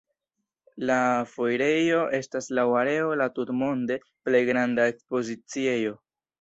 La foirejo estas laŭ areo la tutmonde plej granda ekspoziciejo.